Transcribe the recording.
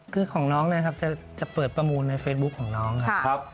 คือของน้องนะครับจะเปิดประมูลในเฟซบุ๊คของน้องครับ